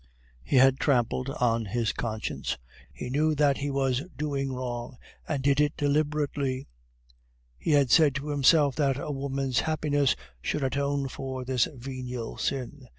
He had trampled on his conscience; he knew that he was doing wrong, and did it deliberately; he had said to himself that a woman's happiness should atone for this venial sin.